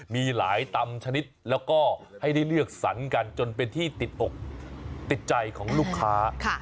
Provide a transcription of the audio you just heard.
มีหลายตำชนิดแล้วก็ให้ได้เลือกสรรกันจนเป็นที่ติดอกติดใจของลูกค้า